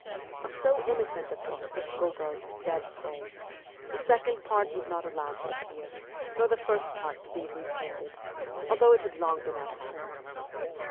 Of so innocent a book as G6gol's ' Dead Souls ' the second part was not allowed to appear, nor the first part to be reprinted, although it had long been out of print.